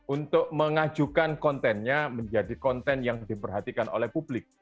untuk mengajukan kontennya menjadi konten yang diperhatikan oleh publik